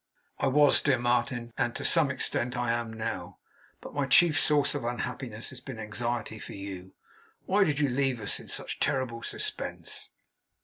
'I was, dear Martin, and to some extent am now; but my chief source of unhappiness has been anxiety for you. Why did you leave us in such terrible suspense?